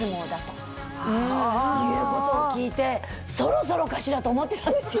いうことを聞いて「そろそろかしら」と思ってたんですよ。